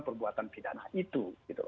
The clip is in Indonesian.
perbuatan pidana itu